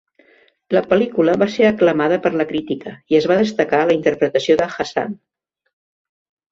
La pel·lícula va ser aclamada per la crítica i es va destacar la interpretació de Haasan.